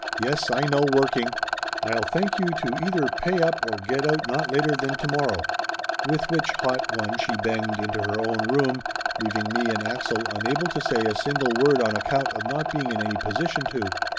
Yes, I know working! I'll thank you to either pay up or get out not later than to morrow !" With which hot one she banged into her own room, leaving me and Axel unable to say one single word on account of not being in any position to.